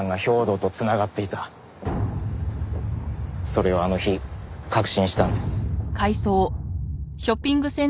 それをあの日確信したんです。